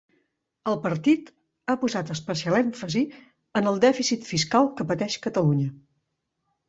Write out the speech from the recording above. El partit ha posat especial èmfasi en el dèficit fiscal que pateix Catalunya.